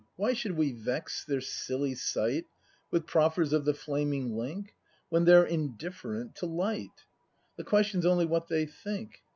Why should we vex their silly sight With proffers of the flaming link. When they're indifferent to light? The question's only what they think.